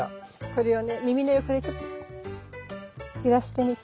これをね耳の横でちょっと揺らしてみて。